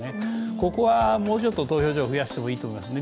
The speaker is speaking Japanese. ここはもうちょっと投票所を増やしてもいいと思いますね。